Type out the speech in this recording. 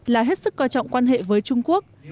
là hết sức coi trọng quan hệ với trung quốc